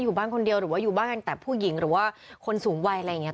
อยู่บ้านคนเดียวหรือว่าอยู่บ้านกันแต่ผู้หญิงหรือว่าคนสูงวัยอะไรอย่างนี้